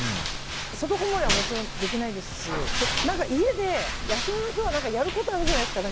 外こもりはもちろんできないですし家で休みの日はやることがあるじゃないですか。